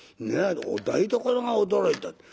お台所が驚いた。